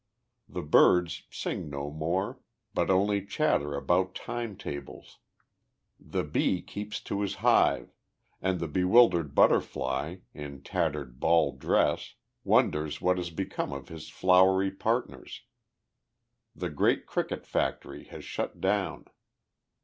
The birds sing no more, but only chatter about time tables. The bee keeps to his hive, and the bewildered butterfly, in tattered ball dress, wonders what has become of his flowery partners. The great cricket factory has shut down.